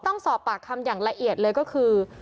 ต้องสอบปากคำอย่างละเอียดเลยก็คือ